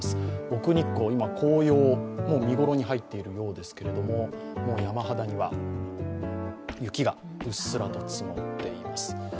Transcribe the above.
奥日光、今、紅葉、もう見頃に入っているようですけれども山肌には雪がうっすらと積もっています。